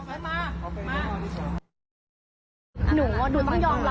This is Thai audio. หนูอ่ะหนูต้องยอมรับนะคะว่าหนูอ่ะเมา